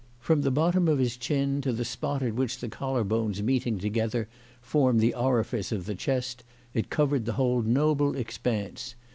From the bottom of his chin to the spot at which the collar bones meeting together form the orifice of the chest it covered the whole noble expanse.